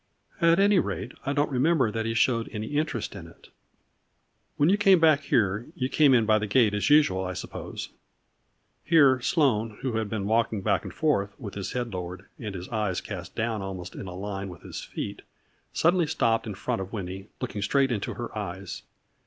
At any rate, I don't remember that he showed any in terest in it." " When you came back here you came in by the gate as usual, I suppose ?" Here Sloane who had been walking back and forth, with his head lowered, and his eyes cast down almost in a line with his feet, suddenly stopped in front of Winnie, looking straight into her eyes.